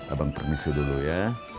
abang permisi dulu ya